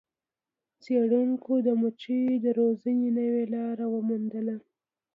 څیړونکو د مچیو د روزنې نوې لاره وموندله.